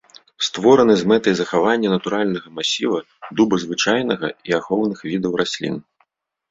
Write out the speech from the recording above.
Створаны з мэтай захавання натуральнага масіва дуба звычайнага і ахоўных відаў раслін.